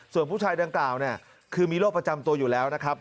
ส่วนผู้ชายดังกล่าวเนี่ยคือมีโรคประจำตัวอยู่แล้วนะครับ